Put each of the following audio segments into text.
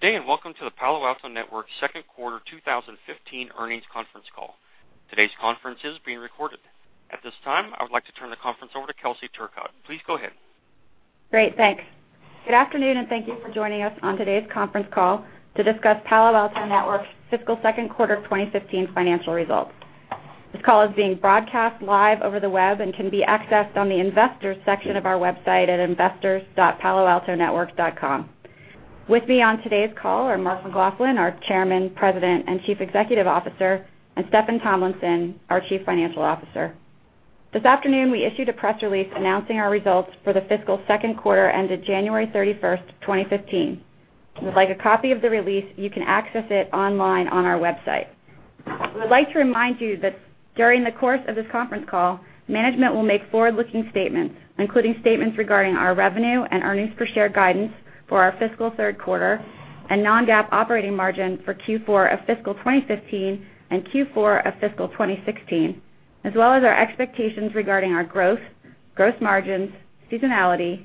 Good day, and welcome to the Palo Alto Networks second quarter 2015 earnings conference call. Today's conference is being recorded. At this time, I would like to turn the conference over to Kelsey Turcotte. Please go ahead. Great, thanks. Good afternoon, and thank you for joining us on today's conference call to discuss Palo Alto Networks' fiscal second quarter 2015 financial results. This call is being broadcast live over the web and can be accessed on the investors section of our website at investors.paloaltonetworks.com. With me on today's call are Mark McLaughlin, our Chairman, President, and Chief Executive Officer, and Steffan Tomlinson, our Chief Financial Officer. This afternoon, we issued a press release announcing our results for the fiscal second quarter ended January 31st, 2015. If you would like a copy of the release, you can access it online on our website. We would like to remind you that during the course of this conference call, management will make forward-looking statements, including statements regarding our revenue and earnings per share guidance for our fiscal third quarter and non-GAAP operating margin for Q4 of fiscal 2015 and Q4 of fiscal 2016, as well as our expectations regarding our growth, gross margins, seasonality,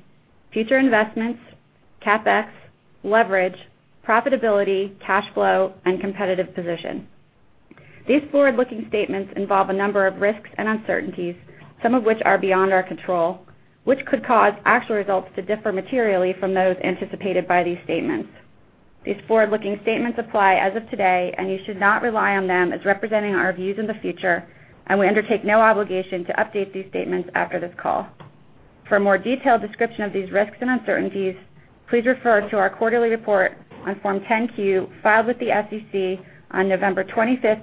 future investments, CapEx, leverage, profitability, cash flow, and competitive position. These forward-looking statements involve a number of risks and uncertainties, some of which are beyond our control, which could cause actual results to differ materially from those anticipated by these statements. These forward-looking statements apply as of today, and you should not rely on them as representing our views in the future, and we undertake no obligation to update these statements after this call. For a more detailed description of these risks and uncertainties, please refer to our quarterly report on Form 10-Q filed with the SEC on November 25th,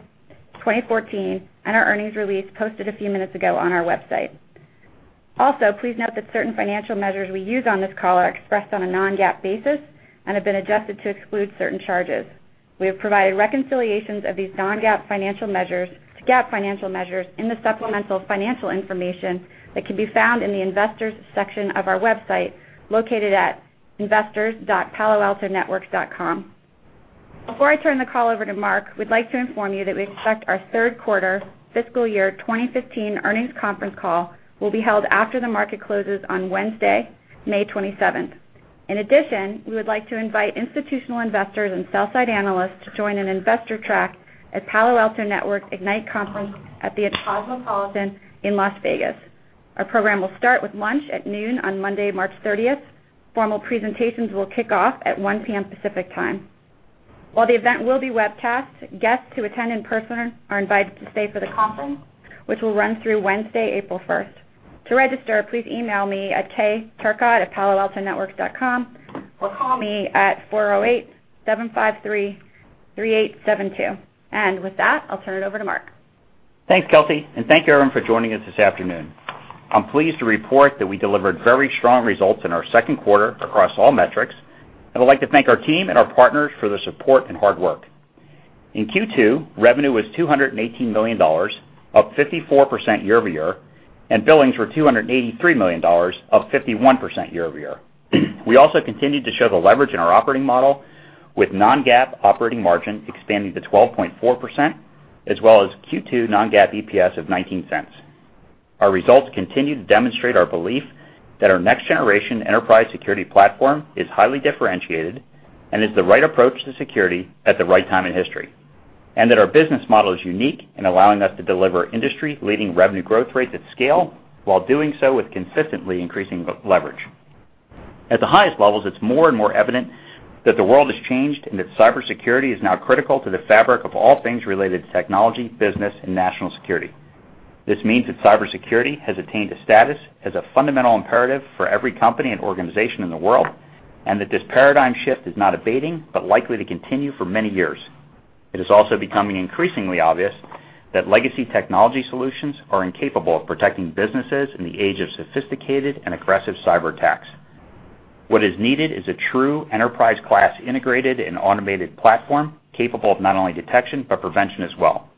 2014, and our earnings release posted a few minutes ago on our website. Please note that certain financial measures we use on this call are expressed on a non-GAAP basis and have been adjusted to exclude certain charges. We have provided reconciliations of these non-GAAP financial measures to GAAP financial measures in the supplemental financial information that can be found in the investors section of our website, located at investors.paloaltonetworks.com. Before I turn the call over to Mark, we'd like to inform you that we expect our third quarter fiscal year 2015 earnings conference call will be held after the market closes on Wednesday, May 27th. In addition, we would like to invite institutional investors and sell side analysts to join an investor track at Palo Alto Networks Ignite conference at the Cosmopolitan in Las Vegas. Our program will start with lunch at noon on Monday, March 30th. Formal presentations will kick off at 1:00 P.M. Pacific time. While the event will be webcast, guests who attend in person are invited to stay for the conference, which will run through Wednesday, April 1st. To register, please email me at kturcotte@paloaltonetworks.com or call me at 408-753-3872. With that, I'll turn it over to Mark. Thanks, Kelsey, and thank you, everyone, for joining us this afternoon. I'm pleased to report that we delivered very strong results in our second quarter across all metrics. I would like to thank our team and our partners for their support and hard work. In Q2, revenue was $218 million, up 54% year-over-year, and billings were $283 million, up 51% year-over-year. We also continued to show the leverage in our operating model with non-GAAP operating margin expanding to 12.4%, as well as Q2 non-GAAP EPS of $0.19. Our results continue to demonstrate our belief that our next-generation enterprise security platform is highly differentiated and is the right approach to security at the right time in history. That our business model is unique in allowing us to deliver industry-leading revenue growth rates at scale while doing so with consistently increasing leverage. At the highest levels, it's more and more evident that the world has changed, that cybersecurity is now critical to the fabric of all things related to technology, business, and national security. This means that cybersecurity has attained a status as a fundamental imperative for every company and organization in the world, that this paradigm shift is not abating, but likely to continue for many years. It is also becoming increasingly obvious that legacy technology solutions are incapable of protecting businesses in the age of sophisticated and aggressive cyberattacks. What is needed is a true enterprise-class integrated and automated platform capable of not only detection, but prevention as well.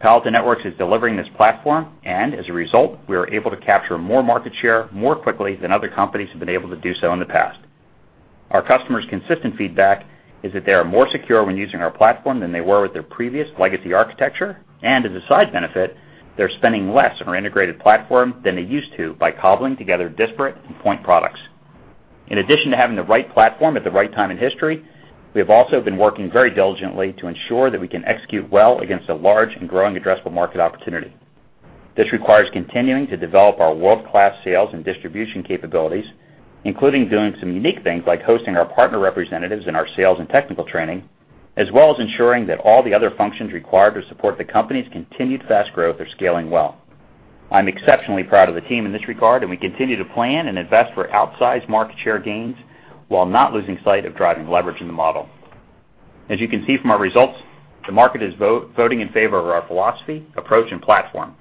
Palo Alto Networks is delivering this platform, as a result, we are able to capture more market share more quickly than other companies have been able to do so in the past. Our customers' consistent feedback is that they are more secure when using our platform than they were with their previous legacy architecture, as a side benefit, they're spending less on our integrated platform than they used to by cobbling together disparate and point products. In addition to having the right platform at the right time in history, we have also been working very diligently to ensure that we can execute well against a large and growing addressable market opportunity. This requires continuing to develop our world-class sales and distribution capabilities, including doing some unique things like hosting our partner representatives in our sales and technical training, as well as ensuring that all the other functions required to support the company's continued fast growth are scaling well. I'm exceptionally proud of the team in this regard. We continue to plan and invest for outsized market share gains while not losing sight of driving leverage in the model. As you can see from our results, the market is voting in favor of our philosophy, approach, and platform.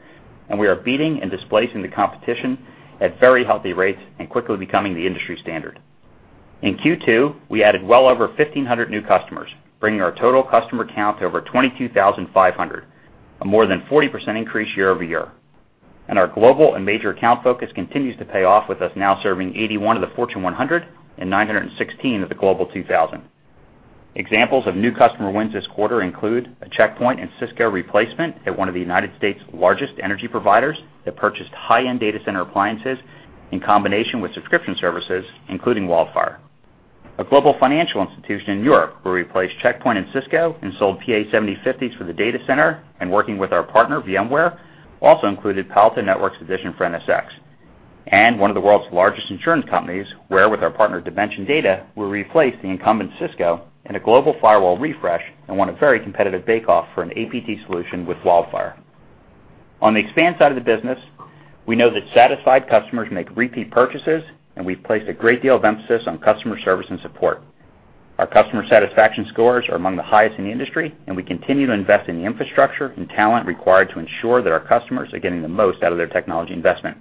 We are beating and displacing the competition at very healthy rates and quickly becoming the industry standard. In Q2, we added well over 1,500 new customers, bringing our total customer count to over 22,500, a more than 40% increase year-over-year. Our global and major account focus continues to pay off with us now serving 81 of the Fortune 100 and 916 of the Global 2000. Examples of new customer wins this quarter include a Check Point and Cisco replacement at one of the U.S.'s largest energy providers that purchased high-end data center appliances in combination with subscription services, including WildFire. A global financial institution in Europe where we replaced Check Point and Cisco and sold PA-7050s for the data center and working with our partner, VMware, also included Palo Alto Networks edition for NSX. One of the world's largest insurance companies, where with our partner Dimension Data, we replaced the incumbent Cisco in a global firewall refresh and won a very competitive bake-off for an APT solution with WildFire. On the expand side of the business, we know that satisfied customers make repeat purchases. We've placed a great deal of emphasis on customer service and support. Our customer satisfaction scores are among the highest in the industry. We continue to invest in the infrastructure and talent required to ensure that our customers are getting the most out of their technology investment.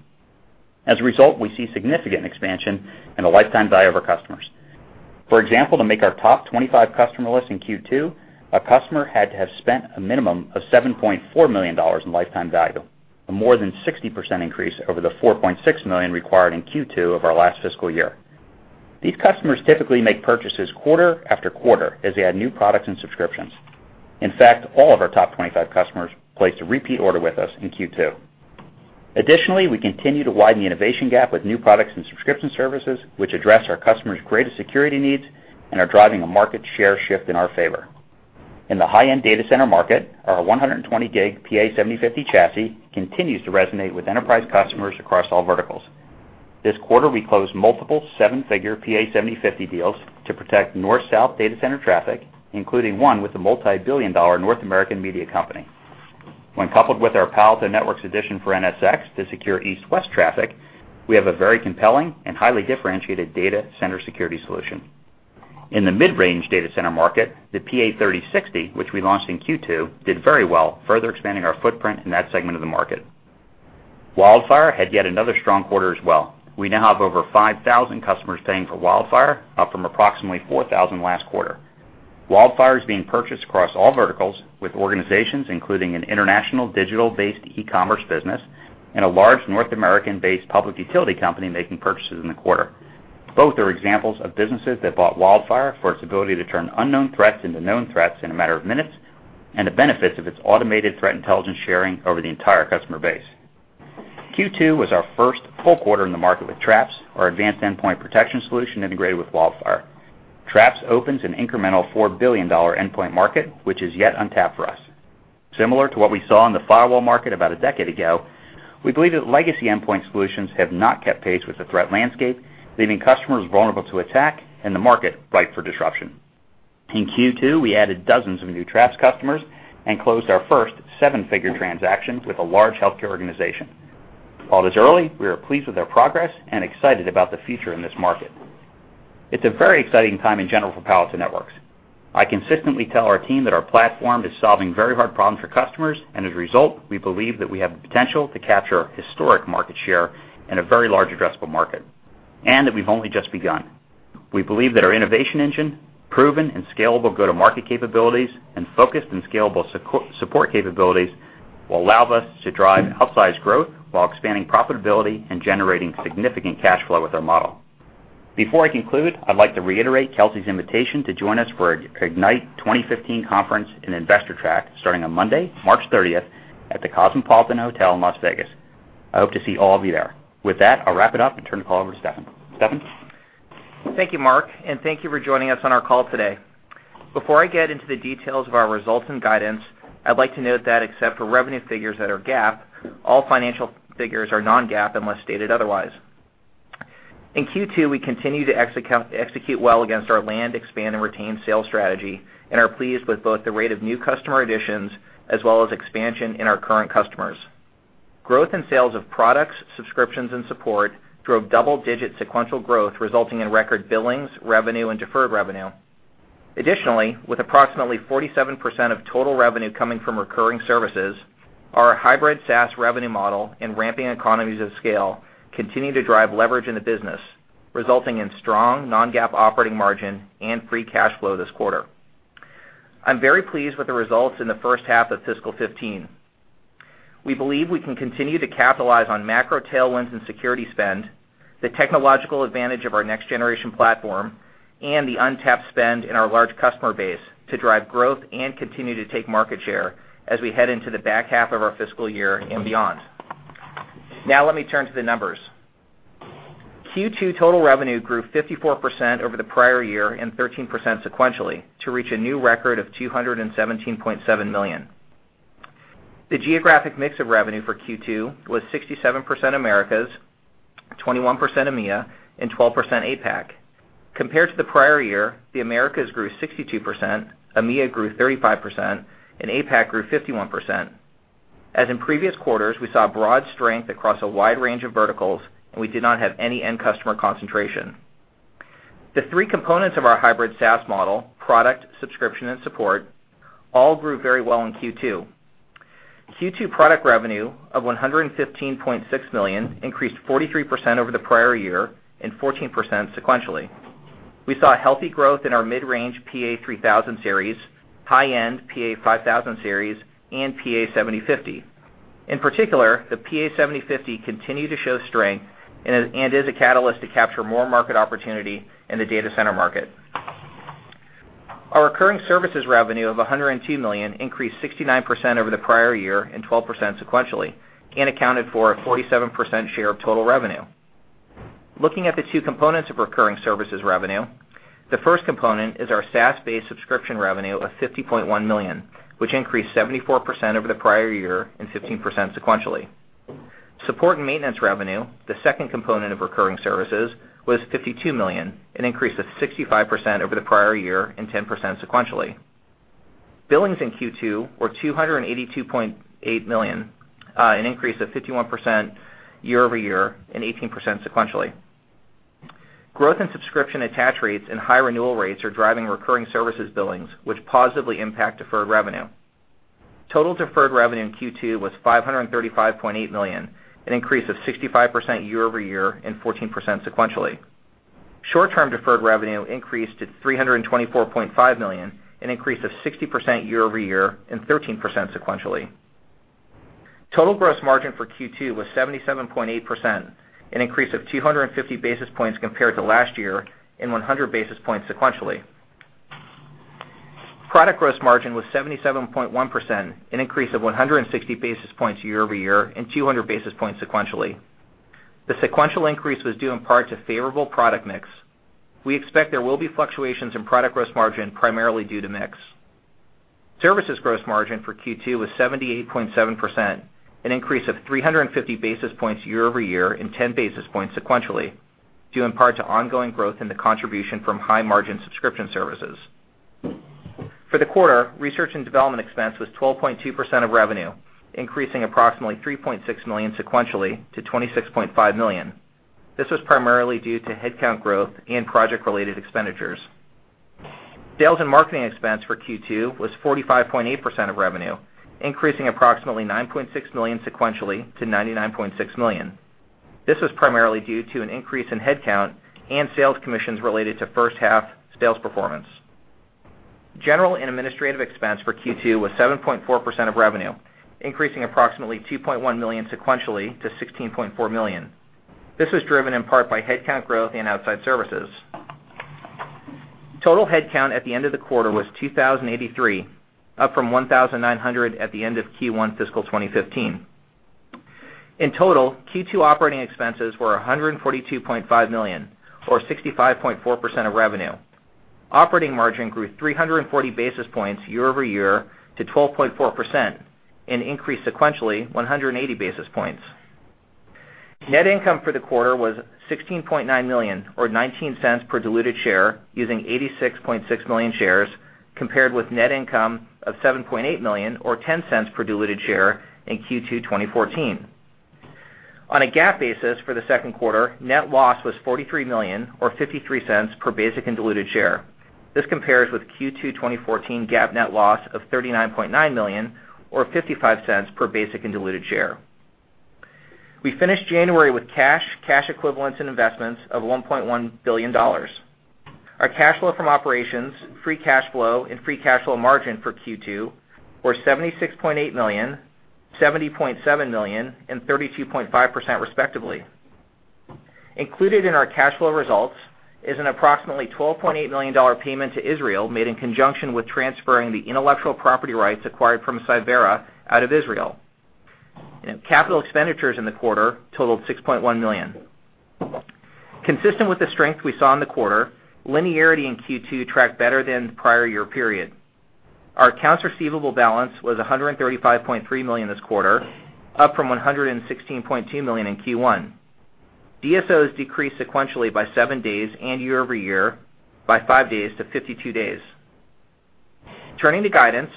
As a result, we see significant expansion in the lifetime value of our customers. For example, to make our top 25 customer list in Q2, a customer had to have spent a minimum of $7.4 million in lifetime value, a more than 60% increase over the $4.6 million required in Q2 of our last fiscal year. These customers typically make purchases quarter after quarter as they add new products and subscriptions. All of our top 25 customers placed a repeat order with us in Q2. Additionally, we continue to widen the innovation gap with new products and subscription services, which address our customers' greatest security needs and are driving a market share shift in our favor. In the high-end data center market, our 120 gig PA-7050 chassis continues to resonate with enterprise customers across all verticals. This quarter, we closed multiple seven-figure PA-7050 deals to protect north-south data center traffic, including one with a multi-billion-dollar North American media company. When coupled with our Palo Alto Networks edition for NSX to secure east-west traffic, we have a very compelling and highly differentiated data center security solution. In the mid-range data center market, the PA-3060, which we launched in Q2, did very well, further expanding our footprint in that segment of the market. WildFire had yet another strong quarter as well. We now have over 5,000 customers paying for WildFire, up from approximately 4,000 last quarter. WildFire is being purchased across all verticals with organizations including an international digital-based e-commerce business and a large North American-based public utility company making purchases in the quarter. Both are examples of businesses that bought WildFire for its ability to turn unknown threats into known threats in a matter of minutes and the benefits of its automated threat intelligence sharing over the entire customer base. Q2 was our first full quarter in the market with Traps, our advanced endpoint protection solution integrated with WildFire. Traps opens an incremental $4 billion endpoint market, which is yet untapped for us. Similar to what we saw in the firewall market about a decade ago, we believe that legacy endpoint solutions have not kept pace with the threat landscape, leaving customers vulnerable to attack and the market ripe for disruption. In Q2, we added dozens of new Traps customers and closed our first seven-figure transaction with a large healthcare organization. While it is early, we are pleased with our progress and excited about the future in this market. It's a very exciting time in general for Palo Alto Networks. I consistently tell our team that our platform is solving very hard problems for customers, and as a result, we believe that we have the potential to capture historic market share in a very large addressable market, and that we've only just begun. We believe that our innovation engine, proven and scalable go-to-market capabilities, and focused and scalable support capabilities will allow us to drive outsized growth while expanding profitability and generating significant cash flow with our model. Before I conclude, I'd like to reiterate Kelsey's invitation to join us for our Ignite 2015 conference and investor track starting on Monday, March 30th at the Cosmopolitan Hotel in Las Vegas. I hope to see all of you there. With that, I'll wrap it up and turn the call over to Steffan. Steffan? Thank you, Mark, and thank you for joining us on our call today. Before I get into the details of our results and guidance, I'd like to note that except for revenue figures that are GAAP, all financial figures are non-GAAP unless stated otherwise. In Q2, we continued to execute well against our land, expand, and retain sales strategy and are pleased with both the rate of new customer additions as well as expansion in our current customers. Growth in sales of products, subscriptions, and support drove double-digit sequential growth, resulting in record billings, revenue, and deferred revenue. Additionally, with approximately 47% of total revenue coming from recurring services, our hybrid SaaS revenue model and ramping economies of scale continue to drive leverage in the business, resulting in strong non-GAAP operating margin and free cash flow this quarter. I'm very pleased with the results in the first half of fiscal 2015. We believe we can continue to capitalize on macro tailwinds in security spend, the technological advantage of our next-generation platform, and the untapped spend in our large customer base to drive growth and continue to take market share as we head into the back half of our fiscal year and beyond. Let me turn to the numbers. Q2 total revenue grew 54% over the prior year and 13% sequentially to reach a new record of $217.7 million. The geographic mix of revenue for Q2 was 67% Americas, 21% EMEA, and 12% APAC. Compared to the prior year, the Americas grew 62%, EMEA grew 35%, and APAC grew 51%. As in previous quarters, we saw broad strength across a wide range of verticals, and we did not have any end customer concentration. The three components of our hybrid SaaS model, product, subscription, and support, all grew very well in Q2. Q2 product revenue of $115.6 million increased 43% over the prior year and 14% sequentially. We saw a healthy growth in our mid-range PA-3000 Series, high-end PA-5000 Series, and PA-7050. In particular, the PA-7050 continued to show strength and is a catalyst to capture more market opportunity in the data center market. Our recurring services revenue of $102 million increased 69% over the prior year and 12% sequentially and accounted for a 47% share of total revenue. Looking at the two components of recurring services revenue, the first component is our SaaS-based subscription revenue of $50.1 million, which increased 74% over the prior year and 15% sequentially. Support and maintenance revenue, the second component of recurring services, was $52 million, an increase of 65% over the prior year and 10% sequentially. Billings in Q2 were $282.8 million, an increase of 51% year-over-year and 18% sequentially. Growth in subscription attach rates and high renewal rates are driving recurring services billings, which positively impact deferred revenue. Total deferred revenue in Q2 was $535.8 million, an increase of 65% year-over-year and 14% sequentially. Short-term deferred revenue increased to $324.5 million, an increase of 60% year-over-year and 13% sequentially. Total gross margin for Q2 was 77.8%, an increase of 250 basis points compared to last year and 100 basis points sequentially. Product gross margin was 77.1%, an increase of 160 basis points year-over-year and 200 basis points sequentially. The sequential increase was due in part to favorable product mix. We expect there will be fluctuations in product gross margin primarily due to mix. Services gross margin for Q2 was 78.7%, an increase of 350 basis points year-over-year and 10 basis points sequentially due in part to ongoing growth in the contribution from high-margin subscription services. For the quarter, research and development expense was 12.2% of revenue, increasing approximately $3.6 million sequentially to $26.5 million. This was primarily due to headcount growth and project-related expenditures. Sales and marketing expense for Q2 was 45.8% of revenue, increasing approximately $9.6 million sequentially to $99.6 million. This was primarily due to an increase in headcount and sales commissions related to first half sales performance. General and administrative expense for Q2 was 7.4% of revenue, increasing approximately $2.1 million sequentially to $16.4 million. This was driven in part by headcount growth and outside services. Total headcount at the end of the quarter was 2,083, up from 1,900 at the end of Q1 fiscal 2015. In total, Q2 operating expenses were $142.5 million or 65.4% of revenue. Operating margin grew 340 basis points year-over-year to 12.4% and increased sequentially 180 basis points. Net income for the quarter was $16.9 million or $0.19 per diluted share using 86.6 million shares compared with net income of $7.8 million or $0.10 per diluted share in Q2 2014. On a GAAP basis for the second quarter, net loss was $43 million or $0.53 per basic and diluted share. This compares with Q2 2014 GAAP net loss of $39.9 million or $0.55 per basic and diluted share. We finished January with cash equivalents, and investments of $1.1 billion. Our cash flow from operations, free cash flow, and free cash flow margin for Q2 were $76.8 million, $70.7 million, and 32.5% respectively. Included in our cash flow results is an approximately $12.8 million payment to Israel made in conjunction with transferring the intellectual property rights acquired from Cyvera out of Israel. Capital expenditures in the quarter totaled $6.1 million. Consistent with the strength we saw in the quarter, linearity in Q2 tracked better than the prior year period. Our accounts receivable balance was $135.3 million this quarter, up from $116.2 million in Q1. DSOs decreased sequentially by seven days and year-over-year by five days to 52 days. Turning to guidance,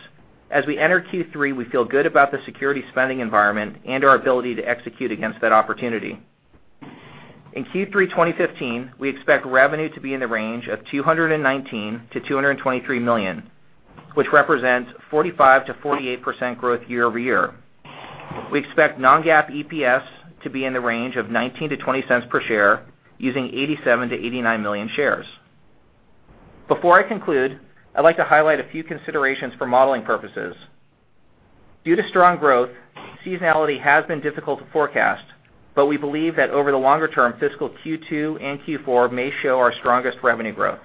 as we enter Q3, we feel good about the security spending environment and our ability to execute against that opportunity. In Q3 2015, we expect revenue to be in the range of $219 million-$223 million, which represents 45%-48% growth year-over-year. We expect non-GAAP EPS to be in the range of $0.19-$0.20 per share using 87 million-89 million shares. Before I conclude, I'd like to highlight a few considerations for modeling purposes. Due to strong growth, seasonality has been difficult to forecast, but we believe that over the longer term, fiscal Q2 and Q4 may show our strongest revenue growth.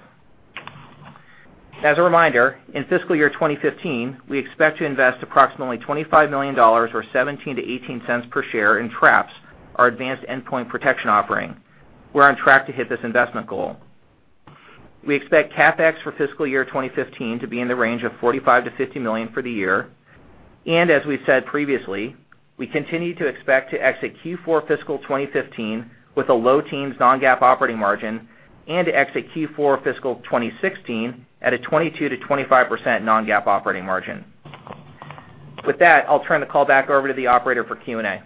As a reminder, in fiscal year 2015, we expect to invest approximately $25 million or $0.17-$0.18 per share in Traps, our advanced endpoint protection offering. We're on track to hit this investment goal. We expect CapEx for fiscal year 2015 to be in the range of $45 million-$50 million for the year. As we've said previously, we continue to expect to exit Q4 fiscal 2015 with a low teens non-GAAP operating margin and to exit Q4 fiscal 2016 at a 22%-25% non-GAAP operating margin. With that, I'll turn the call back over to the operator for Q&A.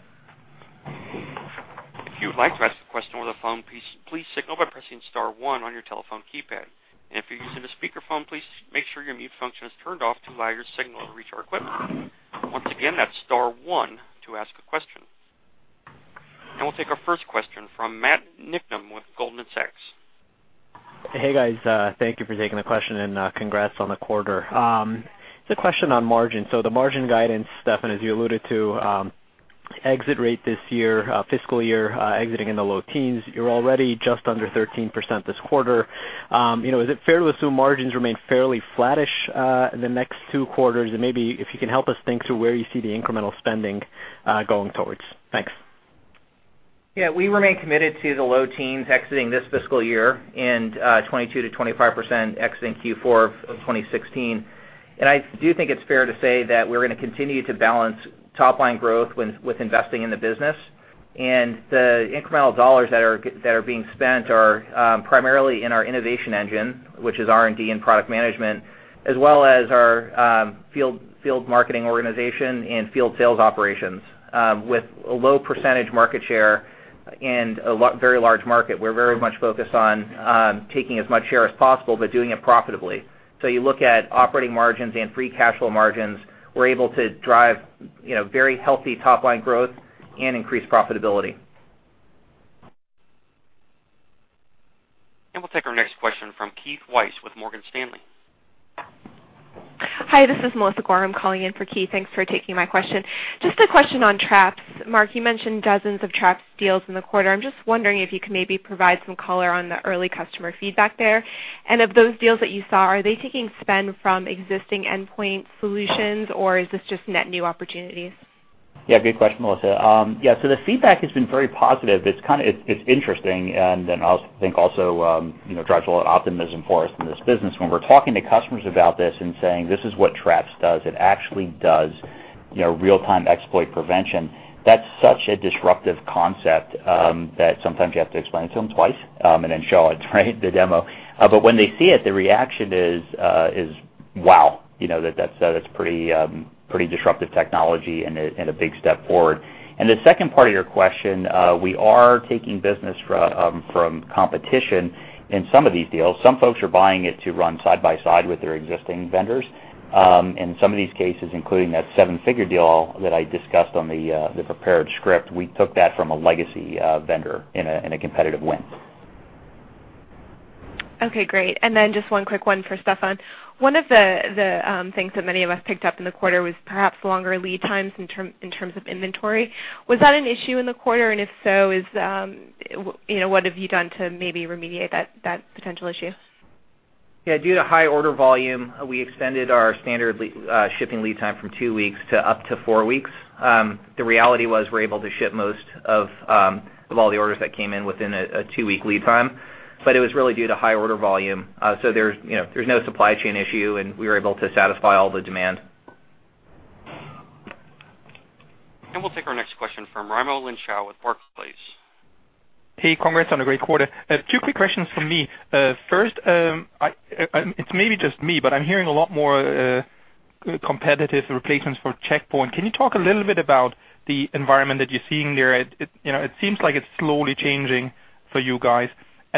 If you would like to ask a question over the phone, please signal by pressing star one on your telephone keypad. If you're using a speakerphone, please make sure your mute function is turned off to allow your signal to reach our equipment. Once again, that's star one to ask a question. We'll take our first question from Matthew Niknam with Goldman Sachs. Hey, guys. Thank you for taking the question and congrats on the quarter. Just a question on margin. The margin guidance, Steffan, as you alluded to Exit rate this year, fiscal year, exiting in the low teens. You're already just under 13% this quarter. Is it fair to assume margins remain fairly flattish in the next two quarters? Maybe if you can help us think through where you see the incremental spending going towards. Thanks. We remain committed to the low teens exiting this fiscal year and 22%-25% exiting Q4 of 2016. I do think it's fair to say that we're going to continue to balance top-line growth with investing in the business. The incremental dollars that are being spent are primarily in our innovation engine, which is R&D and product management, as well as our field marketing organization and field sales operations. With a low percentage market share and a very large market, we're very much focused on taking as much share as possible, but doing it profitably. You look at operating margins and free cash flow margins, we're able to drive very healthy top-line growth and increase profitability. We'll take our next question from Keith Weiss with Morgan Stanley. Hi, this is Melissa Gorham calling in for Keith. Thanks for taking my question. Just a question on Traps. Mark, you mentioned dozens of Traps deals in the quarter. I'm just wondering if you could maybe provide some color on the early customer feedback there. Of those deals that you saw, are they taking spend from existing endpoint solutions, or is this just net new opportunities? Good question, Melissa. The feedback has been very positive. It's interesting, then I think also drives a lot of optimism for us in this business. When we're talking to customers about this and saying, "This is what Traps does. It actually does real-time exploit prevention." That's such a disruptive concept that sometimes you have to explain it to them twice then show it, right, the demo. When they see it, the reaction is, "Wow, that's pretty disruptive technology and a big step forward." The second part of your question, we are taking business from competition in some of these deals. Some folks are buying it to run side by side with their existing vendors. In some of these cases, including that seven-figure deal that I discussed on the prepared script, we took that from a legacy vendor in a competitive win. Okay, great. Then just one quick one for Steffan. One of the things that many of us picked up in the quarter was perhaps longer lead times in terms of inventory. Was that an issue in the quarter? If so, what have you done to maybe remediate that potential issue? Yeah, due to high order volume, we extended our standard shipping lead time from two weeks to up to four weeks. The reality was we were able to ship most of all the orders that came in within a two-week lead time, but it was really due to high order volume. There's no supply chain issue, and we were able to satisfy all the demand. We'll take our next question from Raimo Lenschow with Barclays. Hey, congrats on a great quarter. Two quick questions from me. First, it's maybe just me, but I'm hearing a lot more competitive replacements for Check Point. Can you talk a little bit about the environment that you're seeing there? It seems like it's slowly changing for you guys.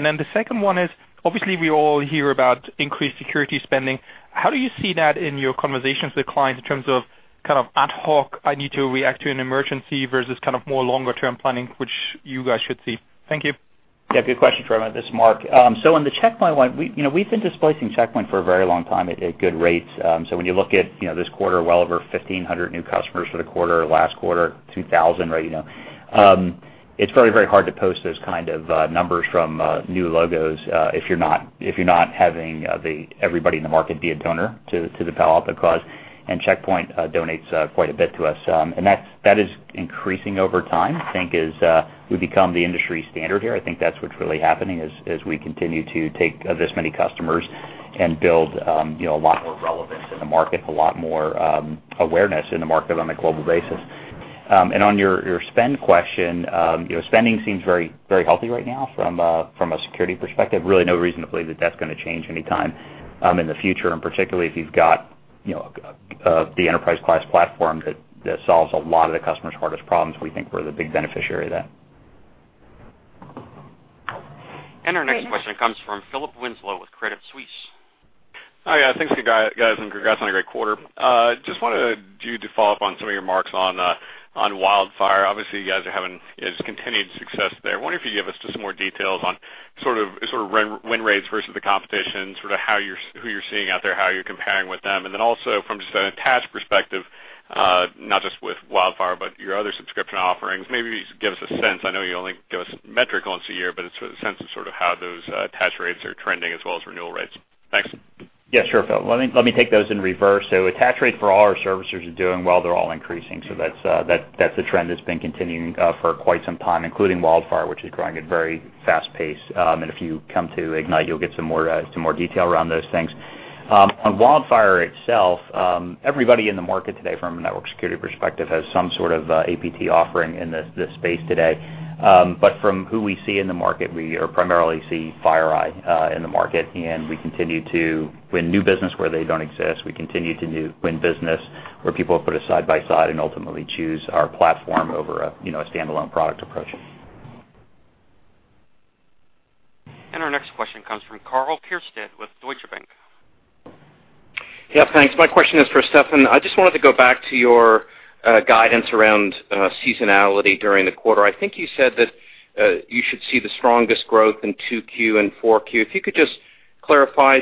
Then the second one is, obviously, we all hear about increased security spending. How do you see that in your conversations with clients in terms of kind of ad hoc, I need to react to an emergency, versus kind of more longer-term planning, which you guys should see? Thank you. Yeah, good question from you. This is Mark. On the Check Point one, we've been displacing Check Point for a very long time at good rates. When you look at this quarter, well over 1,500 new customers for the quarter, last quarter, 2,000. It's very hard to post those kind of numbers from new logos if you're not having everybody in the market be a donor to the Palo Alto cause, and Check Point donates quite a bit to us. That is increasing over time. I think as we become the industry standard here, I think that's what's really happening is we continue to take this many customers and build a lot more relevance in the market, a lot more awareness in the market on a global basis. On your spend question, spending seems very healthy right now from a security perspective. Really no reason to believe that that's going to change any time in the future, and particularly if you've got the enterprise class platform that solves a lot of the customer's hardest problems, we think we're the big beneficiary of that. Our next question comes from Philip Winslow with Credit Suisse. Hi. Thanks, guys, and congrats on a great quarter. Just wanted you to follow up on some of your marks on WildFire. Obviously, you guys are having continued success there. I wonder if you could give us just some more details on sort of win rates versus the competition, sort of who you're seeing out there, how you're comparing with them. Then also from just an attach perspective, not just with WildFire, but your other subscription offerings, maybe just give us a sense. I know you only give us metric once a year, but a sense of sort of how those attach rates are trending as well as renewal rates. Thanks. Yeah, sure, Phil. Let me take those in reverse. Attach rates for all our services are doing well. They're all increasing. That's a trend that's been continuing for quite some time, including WildFire, which is growing at a very fast pace. If you come to Ignite, you'll get some more detail around those things. On WildFire itself, everybody in the market today from a network security perspective has some sort of APT offering in this space today. From who we see in the market, we primarily see FireEye in the market, and we continue to win new business where they don't exist. We continue to win business where people put us side by side and ultimately choose our platform over a standalone product approach. Our next question comes from Karl Keirstead with Deutsche Bank. Yeah, thanks. My question is for Steffan. I just wanted to go back to your guidance around seasonality during the quarter. I think you said that you should see the strongest growth in 2Q and 4Q. If you could just clarify,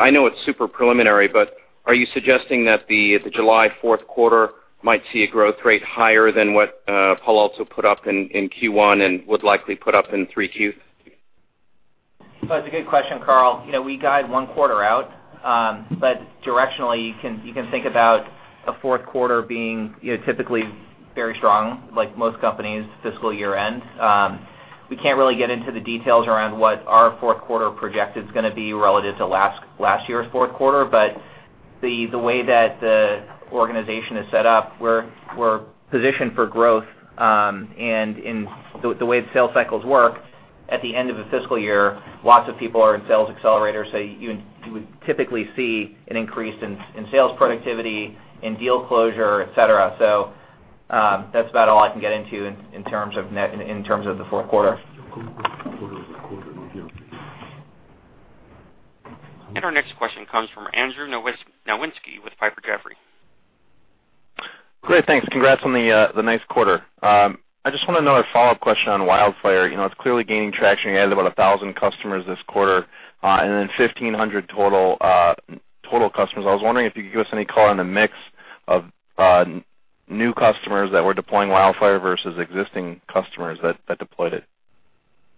I know it's super preliminary, but are you suggesting that the July fourth quarter might see a growth rate higher than what Palo Alto put up in Q1 and would likely put up in 3Q? That's a good question, Karl. We guide one quarter out, but directionally, you can think about the fourth quarter being typically very strong, like most companies' fiscal year end. We can't really get into the details around what our fourth quarter project is going to be relative to last year's fourth quarter, but the way that the organization is set up, we're positioned for growth. In the way the sales cycles work, at the end of a fiscal year, lots of people are in sales accelerators, you would typically see an increase in sales productivity and deal closure, et cetera. That's about all I can get into in terms of the fourth quarter. Our next question comes from Andrew Nowinski with Piper Jaffray. Great. Thanks. Congrats on the nice quarter. I just want to know a follow-up question on WildFire. It's clearly gaining traction. You added about 1,000 customers this quarter, then 1,500 total customers. I was wondering if you could give us any color on the mix of new customers that were deploying WildFire versus existing customers that deployed it.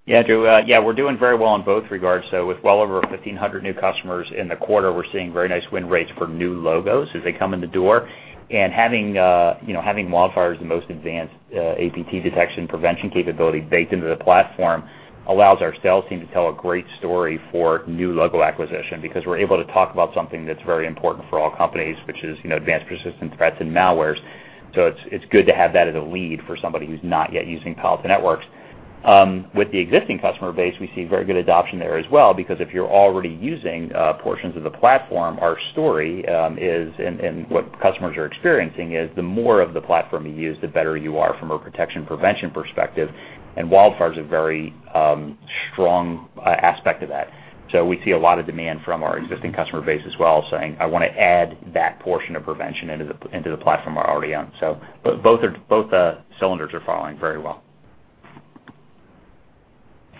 Yeah, Andrew. We're doing very well in both regards. With well over 1,500 new customers in the quarter, we're seeing very nice win rates for new logos as they come in the door. Having WildFire as the most advanced APT detection prevention capability baked into the platform allows our sales team to tell a great story for new logo acquisition, because we're able to talk about something that's very important for all companies, which is advanced persistent threats and malwares. It's good to have that as a lead for somebody who's not yet using Palo Alto Networks. With the existing customer base, we see very good adoption there as well, because if you're already using portions of the platform, our story is, and what customers are experiencing is, the more of the platform you use, the better you are from a protection prevention perspective. WildFire is a very strong aspect of that. We see a lot of demand from our existing customer base as well, saying, "I want to add that portion of prevention into the platform I already own." Both cylinders are falling very well.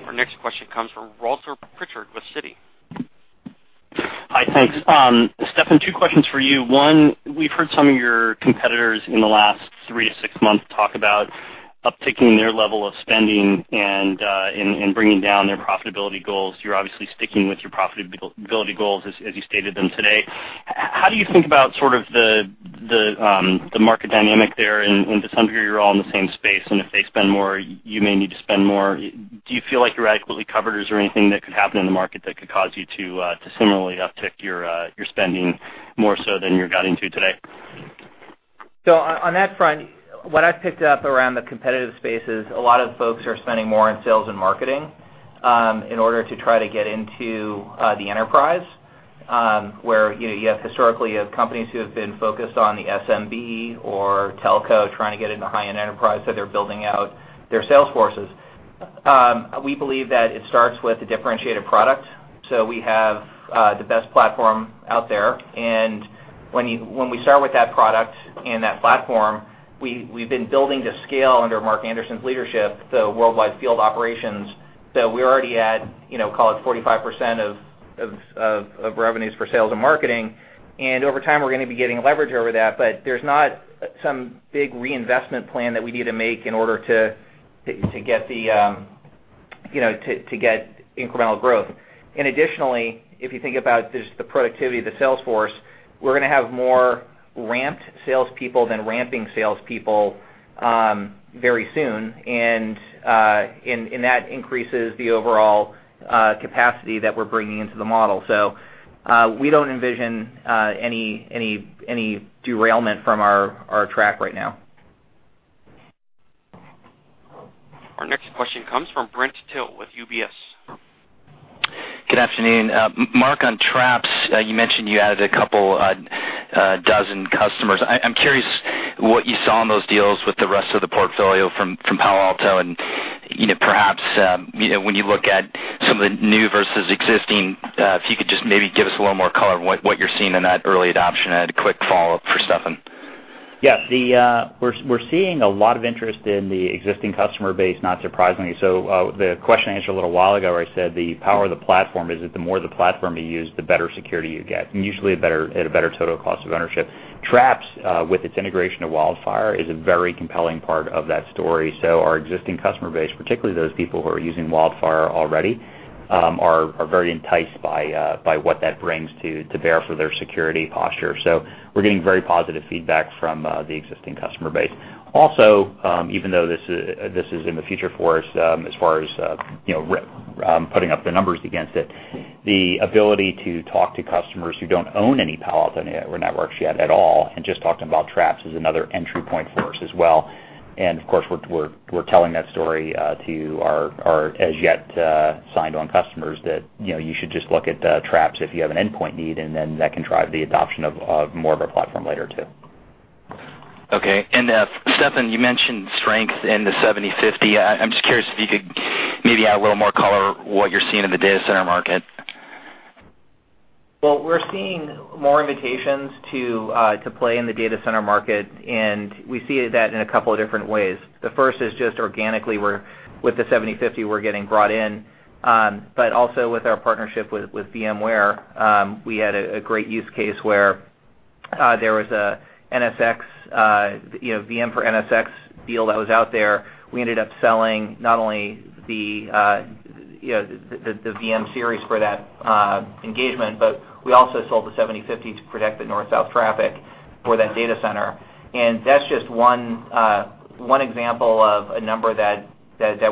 Our next question comes from Walter Pritchard with Citi. Hi, thanks. Steffan, two questions for you. One, we've heard some of your competitors in the last three to six months talk about upticking their level of spending and bringing down their profitability goals. You're obviously sticking with your profitability goals as you stated them today. How do you think about sort of the market dynamic there, and to some degree, we're all in the same space, and if they spend more, you may need to spend more. Do you feel like you're adequately covered, or is there anything that could happen in the market that could cause you to similarly uptick your spending more so than you're guiding to today? On that front, what I've picked up around the competitive space is a lot of folks are spending more on sales and marketing, in order to try to get into the enterprise, where you have historically companies who have been focused on the SMB or telco trying to get into high-end enterprise. They're building out their sales forces. We believe that it starts with a differentiated product. We have the best platform out there, and when we start with that product and that platform, we've been building to scale under Mark Anderson's leadership, the worldwide field operations. We're already at, call it 45% of revenues for sales and marketing, and over time, we're going to be getting leverage over that. There's not some big reinvestment plan that we need to make in order to get incremental growth. Additionally, if you think about just the productivity of the sales force, we're going to have more ramped salespeople than ramping salespeople very soon, and that increases the overall capacity that we're bringing into the model. We don't envision any derailment from our track right now. Our next question comes from Brent Thill with UBS. Good afternoon. Mark, on Traps, you mentioned you added a couple dozen customers. I'm curious what you saw in those deals with the rest of the portfolio from Palo Alto, and perhaps when you look at some of the new versus existing, if you could just maybe give us a little more color on what you're seeing in that early adoption. I had a quick follow-up for Steffan. Yeah. We're seeing a lot of interest in the existing customer base, not surprisingly. The question I answered a little while ago where I said the power of the platform is that the more the platform you use, the better security you get, and usually at a better total cost of ownership. Traps, with its integration of WildFire, is a very compelling part of that story. Our existing customer base, particularly those people who are using WildFire already, are very enticed by what that brings to bear for their security posture. We're getting very positive feedback from the existing customer base. Also, even though this is in the future for us, as far as putting up the numbers against it, the ability to talk to customers who don't own any Palo Alto Networks yet at all and just talk to them about Traps is another entry point for us as well. Of course, we're telling that story to our as-yet-signed-on customers that you should just look at Traps if you have an endpoint need, and then that can drive the adoption of more of our platform later, too. Okay. Steffan, you mentioned strength in the 70/50. I'm just curious if you could maybe add a little more color what you're seeing in the data center market. Well, we're seeing more invitations to play in the data center market. We see that in a couple of different ways. The first is just organically with the PA-7050, we're getting brought in. Also with our partnership with VMware, we had a great use case where there was a VM-Series for NSX deal that was out there. We ended up selling not only the VM-Series for that engagement, but we also sold the PA-7050 to protect the North-South traffic for that data center. That's just one example of a number that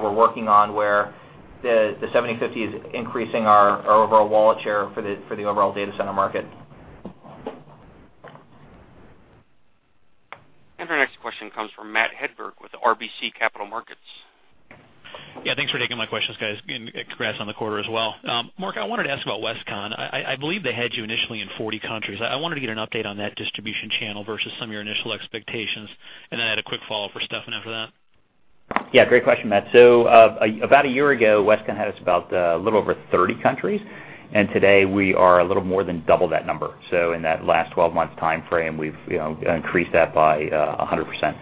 we're working on, where the PA-7050 is increasing our overall wallet share for the overall data center market. Our next question comes from Matt Hedberg with RBC Capital Markets. Yeah, thanks for taking my questions, guys, congrats on the quarter as well. Mark, I wanted to ask about Westcon. I believe they had you initially in 40 countries. I wanted to get an update on that distribution channel versus some of your initial expectations, then I had a quick follow-up for Steffan after that. Yeah, great question, Matt. About a year ago, Westcon had us about a little over 30 countries. Today we are a little more than double that number. In that last 12 months timeframe, we've increased that by 100%.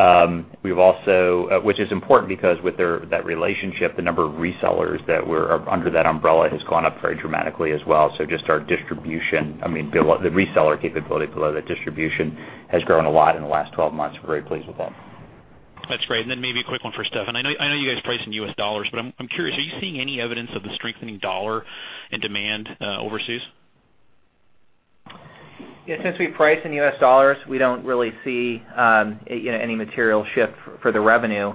That is important because with that relationship, the number of resellers that were under that umbrella has gone up very dramatically as well. Just our distribution, I mean, the reseller capability below that distribution has grown a lot in the last 12 months. We're very pleased with that. That's great. Then maybe a quick one for Steffan. I know you guys price in U.S. dollars, but I'm curious, are you seeing any evidence of the strengthening dollar and demand overseas? Yeah, since we price in U.S. dollars, we don't really see any material shift for the revenue.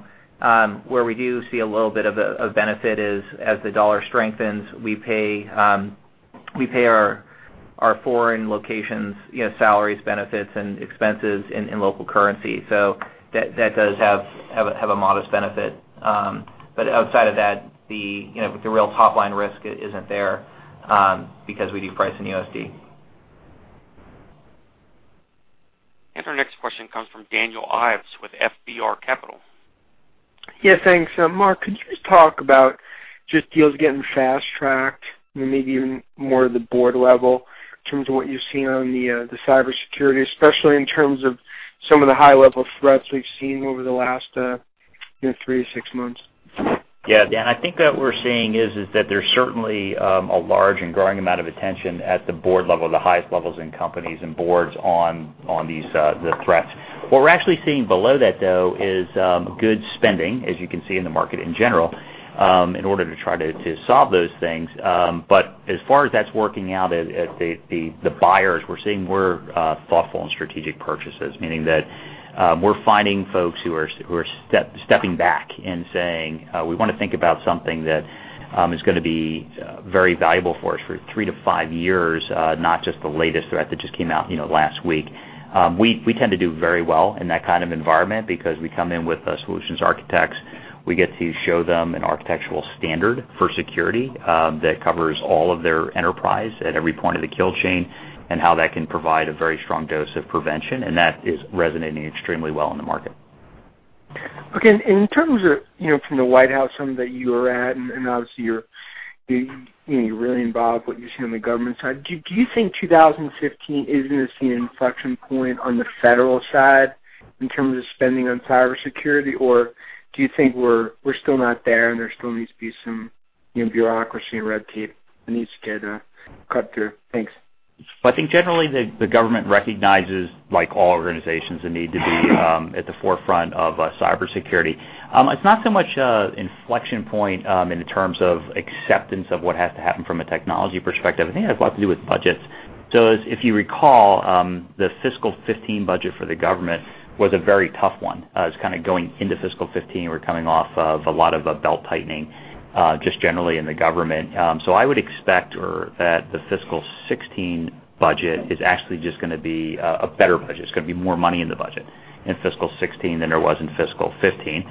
Where we do see a little bit of a benefit is as the dollar strengthens, we pay our foreign locations salaries, benefits, and expenses in local currency. That does have a modest benefit. Outside of that, the real top-line risk isn't there, because we do price in USD. Our next question comes from Daniel Ives with FBR Capital. Yeah, thanks. Mark, could you just talk about deals getting fast-tracked, maybe even more at the board level in terms of what you're seeing on the cybersecurity, especially in terms of some of the high-level threats we've seen over the last three to six months? Yeah, Dan, I think that what we're seeing is that there's certainly a large and growing amount of attention at the board level, the highest levels in companies and boards on the threats. What we're actually seeing below that, though, is good spending, as you can see in the market in general, in order to try to solve those things. As far as that's working out at the buyers, we're seeing more thoughtful and strategic purchases, meaning that we're finding folks who are stepping back and saying, "We want to think about something that is going to be very valuable for us for three to five years, not just the latest threat that just came out last week." We tend to do very well in that kind of environment because we come in with solutions architects. We get to show them an architectural standard for security that covers all of their enterprise at every point of the kill chain and how that can provide a very strong dose of prevention, that is resonating extremely well in the market. Okay, in terms of from the White House, something that you are at, and obviously you're really involved with what you see on the government side, do you think 2015 is going to see an inflection point on the federal side in terms of spending on cybersecurity, or do you think we're still not there and there still needs to be some bureaucracy and red tape that needs to get cut through? Thanks. I think generally, the government recognizes, like all organizations, the need to be at the forefront of cybersecurity. It's not so much an inflection point in terms of acceptance of what has to happen from a technology perspective. I think it has a lot to do with budgets. If you recall, the fiscal 2015 budget for the government was a very tough one, as kind of going into fiscal 2015, we're coming off of a lot of belt-tightening, just generally in the government. I would expect that the fiscal 2016 budget is actually just going to be a better budget. There's going to be more money in the budget in fiscal 2016 than there was in fiscal 2015.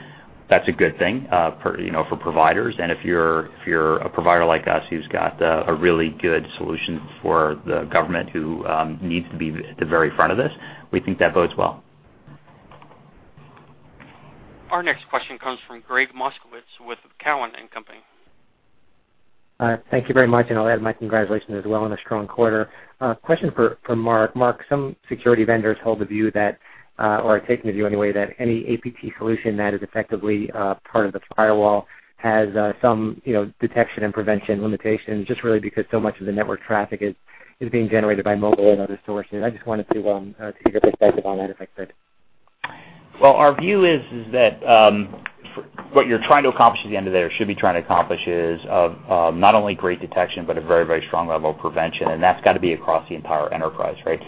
That's a good thing for providers. If you're a provider like us who's got a really good solution for the government who needs to be at the very front of this, we think that bodes well. Our next question comes from Gregg Moskowitz with Cowen and Company. Thank you very much, I'll add my congratulations as well on a strong quarter. A question for Mark. Mark, some security vendors hold the view that, or have taken the view anyway, that any APT solution that is effectively part of the firewall has some detection and prevention limitations, just really because so much of the network traffic is being generated by mobile and other sources. I just wanted to get your perspective on that, if I could. Well, our view is that what you're trying to accomplish at the end of the day, or should be trying to accomplish, is not only great detection, but a very, very strong level of prevention, and that's got to be across the entire enterprise, right?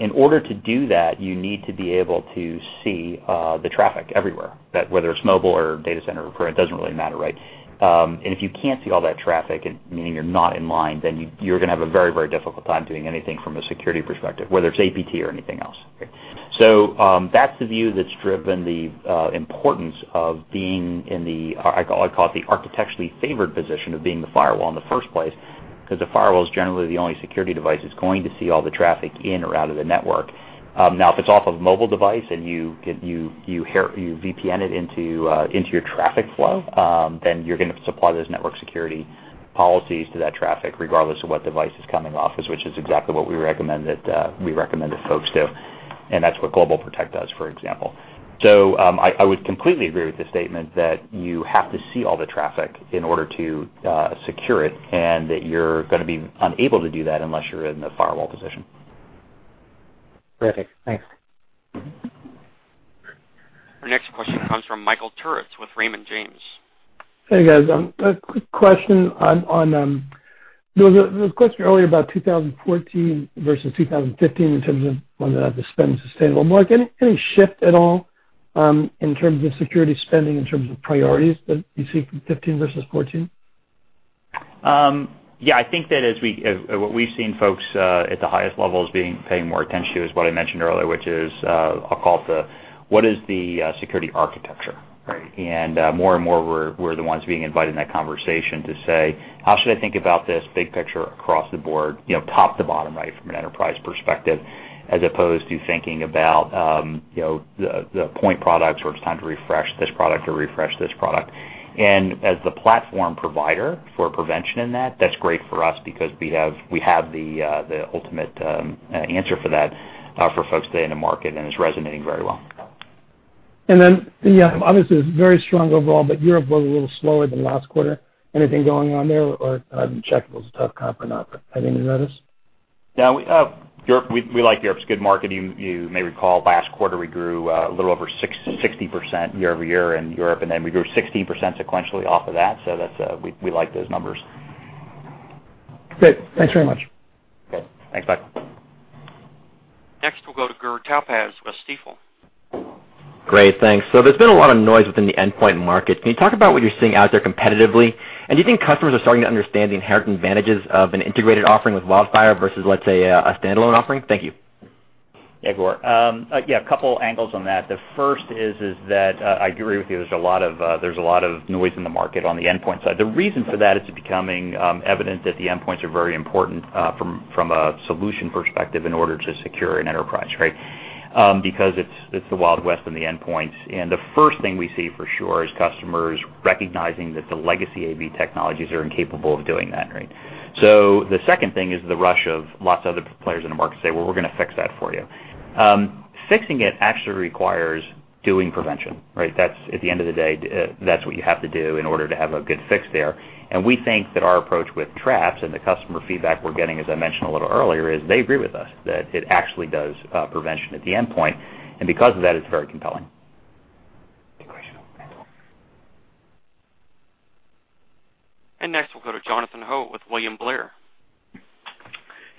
In order to do that, you need to be able to see the traffic everywhere, whether it's mobile or data center, it doesn't really matter. If you can't see all that traffic, meaning you're not in line, then you're going to have a very, very difficult time doing anything from a security perspective, whether it's APT or anything else. That's the view that's driven the importance of being in the, I call it the architecturally favored position of being the firewall in the first place, because the firewall is generally the only security device that's going to see all the traffic in or out of the network. Now, if it's off of a mobile device and you VPN it into your traffic flow, then you're going to supply those network security policies to that traffic regardless of what device it's coming off, which is exactly what we recommend that folks do. That's what GlobalProtect does, for example. I would completely agree with the statement that you have to see all the traffic in order to secure it, and that you're going to be unable to do that unless you're in the firewall position. Terrific. Thanks. Our next question comes from Michael Turits with Raymond James. Hey, guys. There was a question earlier about 2014 versus 2015 in terms of whether or not the spend is sustainable. Mark, any shift at all in terms of security spending, in terms of priorities that you see from '15 versus '14? I think that what we've seen, folks, at the highest levels paying more attention to is what I mentioned earlier, which is a call to what is the security architecture, right? More and more we're the ones being invited in that conversation to say, "How should I think about this big picture across the board, top to bottom, right from an enterprise perspective?" As opposed to thinking about the point products where it's time to refresh this product or refresh this product. As the platform provider for prevention in that's great for us because we have the ultimate answer for that for folks today in the market, and it's resonating very well. Obviously it's very strong overall, but Europe was a little slower than last quarter. Anything going on there or Check Point, it was a tough comp or not, but had any notice? We like Europe. It's a good market. You may recall last quarter we grew a little over 60% year-over-year in Europe, then we grew 16% sequentially off of that. We like those numbers. Great. Thanks very much. Okay. Thanks, Michael. Next we'll go to Gur Talpaz with Stifel. Great. Thanks. There's been a lot of noise within the endpoint market. Can you talk about what you're seeing out there competitively, and do you think customers are starting to understand the inherent advantages of an integrated offering with WildFire versus, let's say, a standalone offering? Thank you. Yeah, Gur. Yeah, a couple angles on that. The first is that I agree with you. There's a lot of noise in the market on the endpoint side. The reason for that is it's becoming evident that the endpoints are very important from a solution perspective in order to secure an enterprise, right? Because it's the Wild West on the endpoints. The first thing we see for sure is customers recognizing that the legacy AV technologies are incapable of doing that, right? The second thing is the rush of lots of other players in the market say, "Well, we're going to fix that for you." Fixing it actually requires doing prevention, right? At the end of the day, that's what you have to do in order to have a good fix there. We think that our approach with Traps and the customer feedback we're getting, as I mentioned a little earlier, is they agree with us that it actually does prevention at the endpoint. Because of that, it's very compelling. Great. Thank you. Next we'll go to Jonathan Ho with William Blair.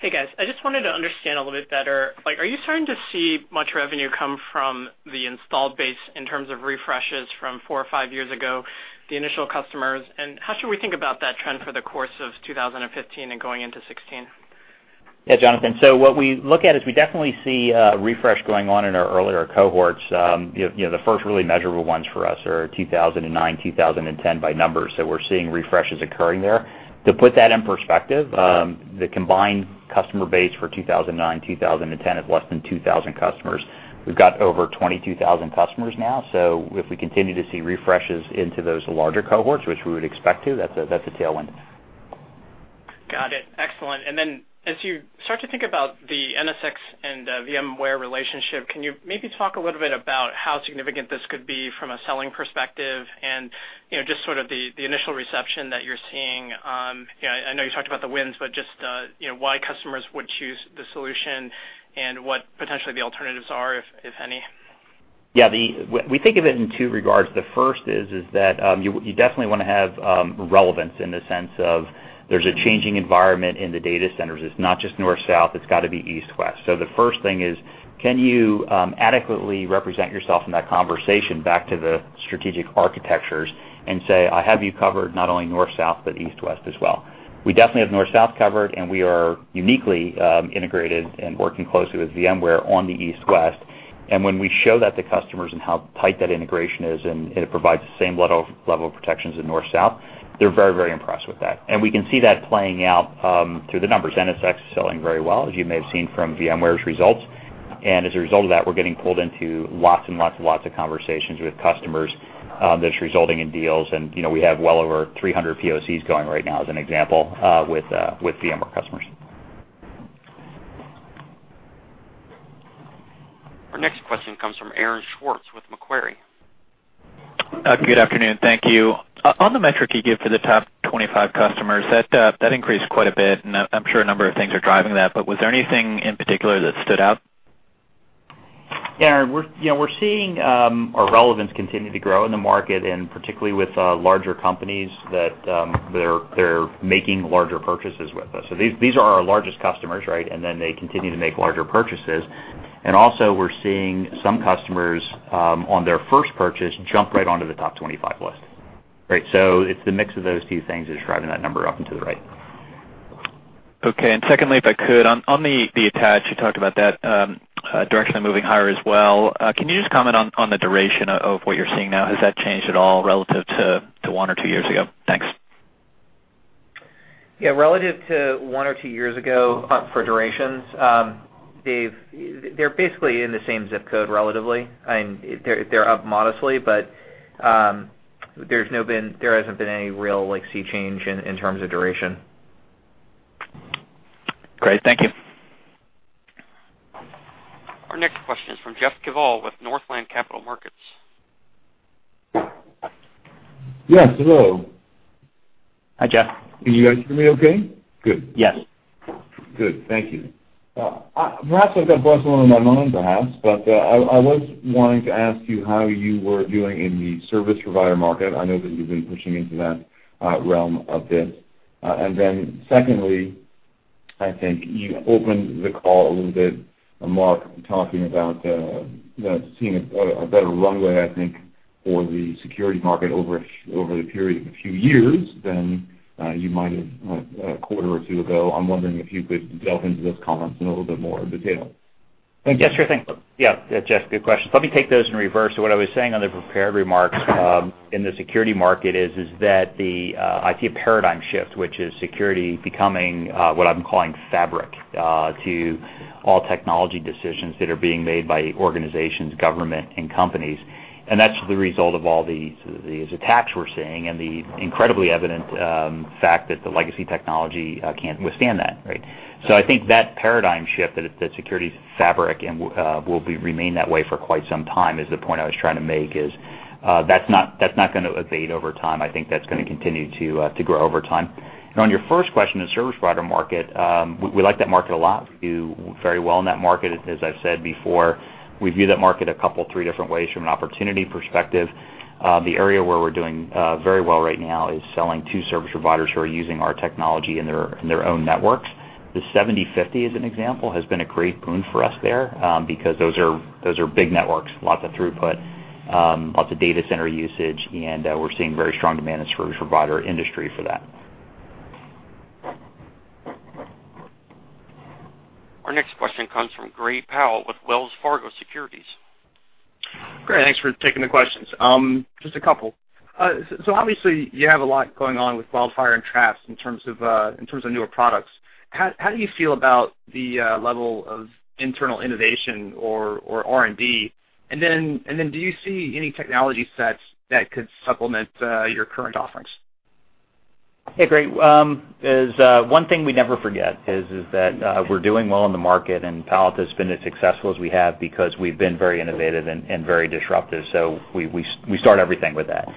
Hey, guys. I just wanted to understand a little bit better, are you starting to see much revenue come from the installed base in terms of refreshes from four or five years ago, the initial customers, and how should we think about that trend for the course of 2015 and going into 2016? Yeah, Jonathan. What we look at is we definitely see a refresh going on in our earlier cohorts. The first really measurable ones for us are 2009, 2010 by numbers. We're seeing refreshes occurring there. To put that in perspective, the combined customer base for 2009, 2010 is less than 2,000 customers. We've got over 22,000 customers now. If we continue to see refreshes into those larger cohorts, which we would expect to, that's a tailwind. Got it. Excellent. As you start to think about the NSX and VMware relationship, can you maybe talk a little bit about how significant this could be from a selling perspective and just sort of the initial reception that you're seeing? I know you talked about the wins, but just why customers would choose the solution and what potentially the alternatives are, if any. Yeah. We think of it in two regards. The first is that you definitely want to have relevance in the sense of there's a changing environment in the data centers. It's not just north-south, it's got to be east-west. The first thing is, can you adequately represent yourself in that conversation back to the strategic architectures and say, "I have you covered not only north-south, but east-west as well"? We definitely have north-south covered, and we are uniquely integrated and working closely with VMware on the east-west. When we show that to customers and how tight that integration is, and it provides the same level of protections in north-south, they're very impressed with that. We can see that playing out through the numbers. NSX is selling very well, as you may have seen from VMware's results. As a result of that, we're getting pulled into lots and lots of conversations with customers that's resulting in deals. We have well over 300 POCs going right now, as an example, with VMware customers. Our next question comes from Aaron Schwartz with Macquarie. Good afternoon. Thank you. On the metric you give for the top 25 customers, that increased quite a bit, and I'm sure a number of things are driving that, but was there anything in particular that stood out? Yeah, Aaron, we're seeing our relevance continue to grow in the market, particularly with larger companies that they're making larger purchases with us. These are our largest customers, right? They continue to make larger purchases. Also we're seeing some customers, on their first purchase, jump right onto the top 25 list, right? It's the mix of those two things that's driving that number up and to the right. Okay. Secondly, if I could, on the attach, you talked about that directionally moving higher as well. Can you just comment on the duration of what you're seeing now? Has that changed at all relative to one or two years ago? Thanks. Yeah. Relative to one or two years ago for durations, Dave, they're basically in the same zip code relatively. They're up modestly, but there hasn't been any real sea change in terms of duration. Great. Thank you. Our next question is from Jeff Kvaal with Northland Capital Markets. Yes, hello. Hi, Jeff. Can you guys hear me okay? Good. Yes. Good. Thank you. Perhaps I've got one on my mind perhaps, but I was wanting to ask you how you were doing in the service provider market. I know that you've been pushing into that realm a bit. Secondly, I think you opened the call a little bit, Mark, talking about seeing a better runway, I think, for the security market over the period of a few years than you might have a quarter or two ago. I'm wondering if you could delve into those comments in a little bit more detail. Thank you. Yeah, sure thing. Yeah, Jeff, good question. Let me take those in reverse. What I was saying on the prepared remarks in the security market is that I see a paradigm shift, which is security becoming what I'm calling fabric to all technology decisions that are being made by organizations, government, and companies. That's the result of all the attacks we're seeing and the incredibly evident fact that the legacy technology can't withstand that, right? I think that paradigm shift, that security fabric, and will remain that way for quite some time, is the point I was trying to make is, that's not going to abate over time. I think that's going to continue to grow over time. On your first question, the service provider market, we like that market a lot. We do very well in that market. As I've said before, we view that market a couple, three different ways from an opportunity perspective. The area where we're doing very well right now is selling to service providers who are using our technology in their own networks. The PA-7050, as an example, has been a great boon for us there, because those are big networks, lots of throughput, lots of data center usage, and we're seeing very strong demand in service provider industry for that. Our next question comes from Gray Powell with Wells Fargo Securities. Gray, thanks for taking the questions. Just a couple. Obviously you have a lot going on with WildFire and Traps in terms of newer products. How do you feel about the level of internal innovation or R&D? Do you see any technology sets that could supplement your current offerings? Hey, Gray. One thing we never forget is that we're doing well in the market, Palo Alto's been as successful as we have because we've been very innovative and very disruptive. We start everything with that.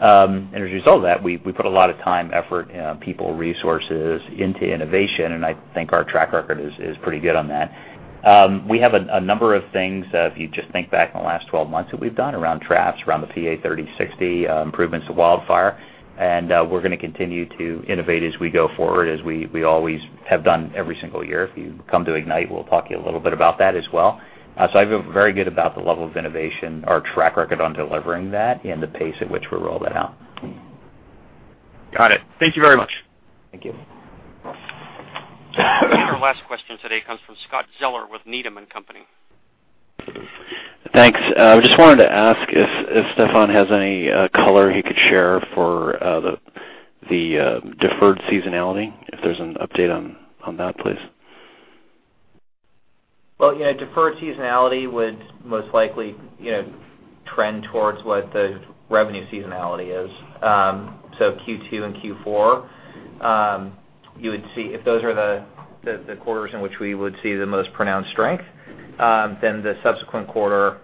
As a result of that, we put a lot of time, effort, people, resources into innovation, and I think our track record is pretty good on that. We have a number of things, if you just think back in the last 12 months that we've done around Traps, around the PA-3060, improvements to WildFire, we're going to continue to innovate as we go forward as we always have done every single year. If you come to Ignite, we'll talk to you a little bit about that as well. I feel very good about the level of innovation, our track record on delivering that, and the pace at which we roll that out. Got it. Thank you very much. Thank you. Our last question today comes from Scott Zeller with Needham & Company. Thanks. I just wanted to ask if Steffan has any color he could share for the deferred seasonality, if there's an update on that, please. Yeah, deferred seasonality would most likely trend towards what the revenue seasonality is. Q2 and Q4, if those are the quarters in which we would see the most pronounced strength, then the subsequent quarter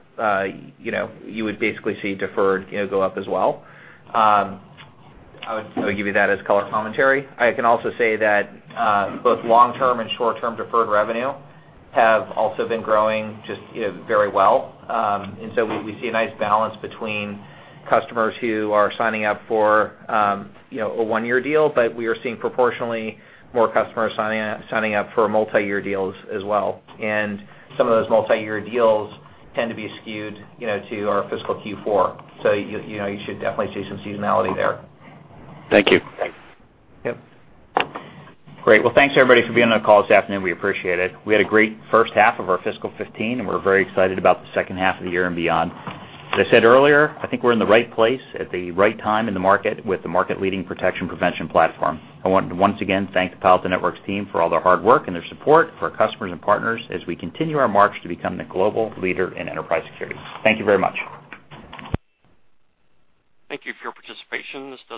you would basically see deferred go up as well. I would give you that as color commentary. I can also say that both long-term and short-term deferred revenue have also been growing just very well. We see a nice balance between customers who are signing up for a one-year deal, but we are seeing proportionally more customers signing up for multi-year deals as well. Some of those multi-year deals tend to be skewed to our fiscal Q4. You should definitely see some seasonality there. Thank you. Thanks. Yep. Great. Thanks everybody for being on the call this afternoon. We appreciate it. We had a great first half of our fiscal 2015. We're very excited about the second half of the year and beyond. As I said earlier, I think we're in the right place at the right time in the market with the market-leading protection prevention platform. I want to once again thank the Palo Alto Networks team for all their hard work and their support, for our customers and partners as we continue our march to become the global leader in enterprise security. Thank you very much. Thank you for your participation.